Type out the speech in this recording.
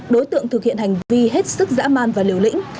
đối tượng thực hiện hành vi hết sức dã man và liều lĩnh